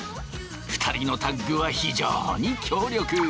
２人のタッグは非常に強力。